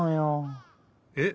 えっ？